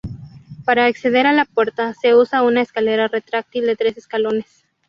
Para acceder a la puerta, se usa una escalera retráctil de tres escalones.